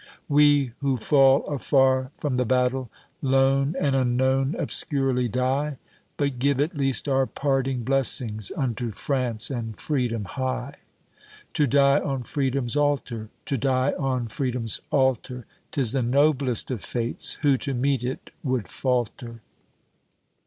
We who fall afar from the battle, Lone and unknown obscurely die, But give at least our parting blessings Unto France and Freedom high. To die on Freedom's Altar to die on Freedom's Altar! 'Tis the noblest of fates; who to meet it would falter!